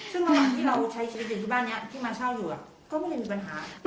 ซึ่งตอนหลังที่เราใช้เฉลี่ยที่บ้านเนี่ยที่มาเช่าอยู่อ่ะก็ไม่ได้มีปัญหา